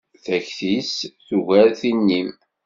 Takti-s tugar tin-im.